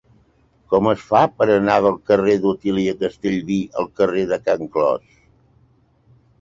Com es fa per anar del carrer d'Otília Castellví al carrer de Can Clos?